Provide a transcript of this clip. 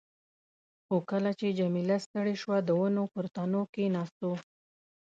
خو کله چې جميله ستړې شوه، د ونو پر تنو کښېناستو.